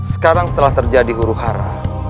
sekarang telah terjadi huru hara